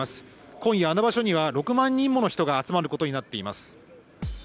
今夜、あの場所には６万人もの人が集まることになっています。